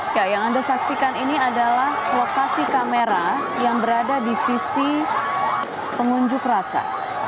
ya yang anda saksikan ini adalah lokasi kamera yang berada di sisi pengunjuk rasa